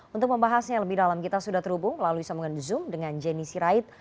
untuk membahasnya lebih dalam kita sudah terhubung melalui sambungan zoom dengan jenny sirait